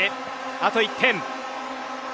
あと１点。